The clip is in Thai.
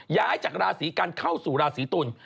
ย้ายจากราศีกันเข้าสู่ราศีตุล